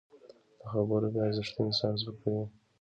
د خبرو بې ارزښتي انسان سپکوي